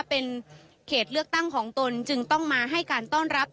เป็นเขตเลือกตั้งของตนจึงต้องมาให้การต้อนรับ